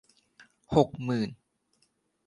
หกหมื่น